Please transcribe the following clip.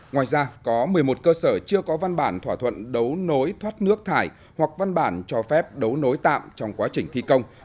ngoài ra có một mươi một cơ sở chưa có văn bản thỏa thuận đấu nối thoát nước thải hoặc văn bản cho phép đấu nối tạm trong quá trình thi công